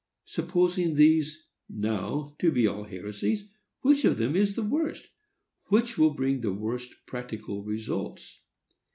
Supposing these, now, to be all heresies, which of them is the worst?—which will bring the worst practical results?